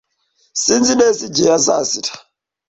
Sinzi neza igihe azazira.